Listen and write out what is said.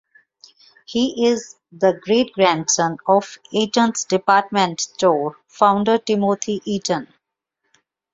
He is the great-grandson of Eaton's department store founder Timothy Eaton.